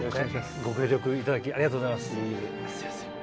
ご協力いただきありがとうございます。